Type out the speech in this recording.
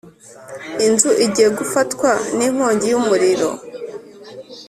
Inzu igiye gufatwa n’inkongi y’umuriro